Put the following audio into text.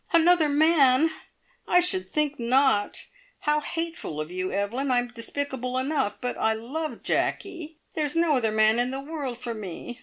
"Another man! I should think not! How hateful of you, Evelyn! I'm despicable enough, but I love Jacky. There's no other man in the world for me.